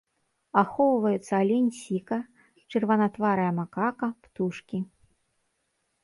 Ахоўваюцца алень-сіка, чырванатварая макака, птушкі.